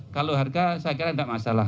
kalau harga saya kira tidak masalah